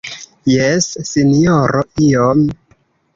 Jes, Sinjoro, iom.